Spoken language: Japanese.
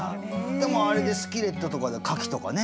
もうあれでスキレットとかでカキとかね